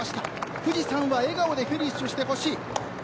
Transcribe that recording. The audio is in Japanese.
富士山は笑顔でフィニッシュしてほしい。